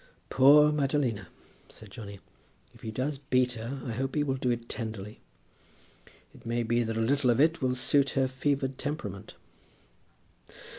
"Poor Madalina!" said Johnny. "If he does beat her, I hope he will do it tenderly. It may be that a little of it will suit her fevered temperament."